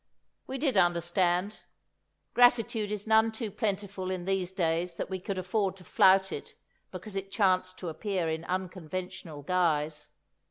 We did understand. Gratitude is none too plentiful in these days that we could afford to flout it because it chanced to appear in unconventional guise.